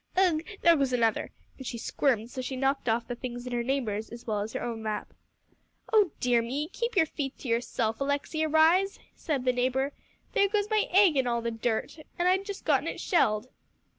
Ugh! there goes another," and she squirmed so she knocked off the things in her neighbor's as well as her own lap. "Oh dear me! Keep your feet to yourself, Alexia Rhys," said the neighbor; "there goes my egg in all the dirt and I'd just gotten it shelled."